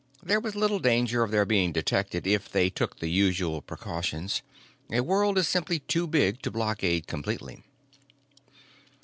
There was little danger of their being detected if they took the usual precautions; a world is simply too big to blockade completely.